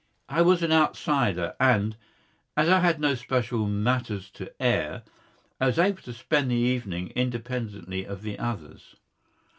I was an outsider, and, as I had no special matters to air, I was able to spend the evening independently of the others.